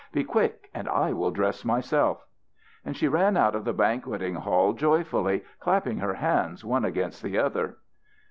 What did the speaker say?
Be quick and I will dress myself." And she ran out of the banqueting hall joyfully clapping her hands one against the other.